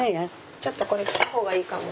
ちょっとこれ着たほうがいいかも。